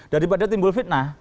daripada timbul fitnah